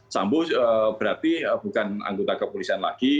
sambo berarti bukan anggota kepolisian lagi